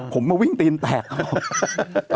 ผมมาวิ่งตีนแตก